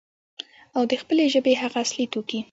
او د خپلې ژبې هغه اصلي توکي،